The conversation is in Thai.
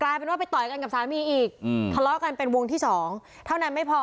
เป็นว่าไปต่อยกันกับสามีอีกทะเลาะกันเป็นวงที่สองเท่านั้นไม่พอ